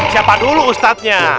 siapa dulu ustadznya